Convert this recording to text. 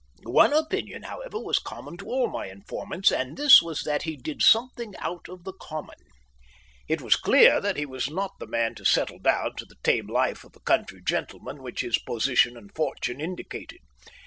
One opinion, however, was common to all my informants, and this was that he did something out of the common. It was clear that he was not the man to settle down to the tame life of a country gentleman which his position and fortune indicated.